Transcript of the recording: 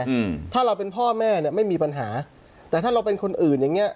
อืมถ้าเราเป็นพ่อแม่เนี้ยไม่มีปัญหาแต่ถ้าเราเป็นคนอื่นอย่างเงี้